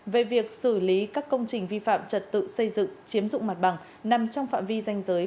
về việc xử lý các công trình vi phạm trật tự xây dựng chiếm dụng mặt bằng nằm trong phạm vi danh giới